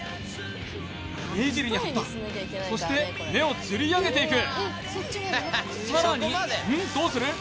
目尻に貼ったそして目をつり上げていくさらにうん？